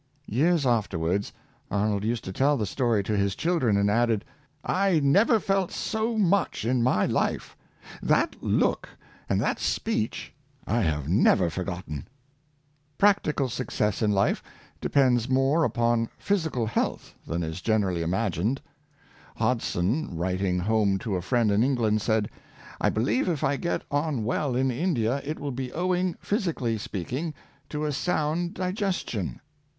Years afterwards, Arnold used to tell the story to his children, and added, " I never felt so much in my life — that look and that speech I have never forgotten." Practical success in life depends more upon physical 296 Education in Mechanics. health than is generally imagined. Hodson, writing home to a friend in England, said, " I believe if I get on well in India, it will be owing, physically speaking, to a sound digestion."